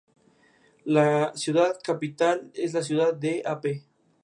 La ciudad capital es la ciudad de Ape.